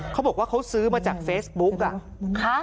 เขาบอกว่าเขาซื้อมาจากเฟซบุ๊ก